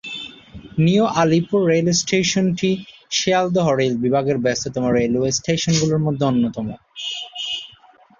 New Alipore railway স্টেশনটি Sealdah rail বিভাগের ব্যস্ততম রেলওয়ে স্টেশনগুলির মধ্যে অন্যতম।